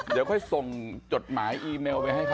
เดี๋ยวค่อยส่งจดหมายอีเมลให้เขาใช่ไหม